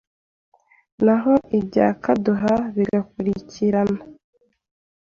naho ibya Kaduha bigakurikirana